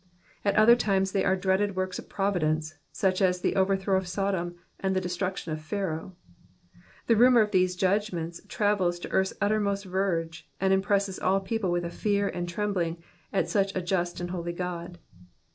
At other times they are dread works of providence — such as the overthrow of Sodom, and the destruction of Pharaoh. The rumour of these judgments travels to earth's utmost verge, and impresses all people with a fear ana trembling at such a just and holy God.